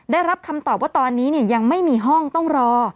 ได้รับคำตอบว่าตอนนี้ยังไม่มีห้องต้องรอ